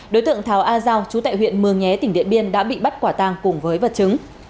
đối tượng thảo a giao chú tại huyện mường nhé tỉnh điện biên đã bị bắt quả tàng cùng với vật chứng